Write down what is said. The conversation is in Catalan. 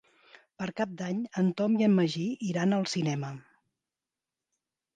Per Cap d'Any en Tom i en Magí iran al cinema.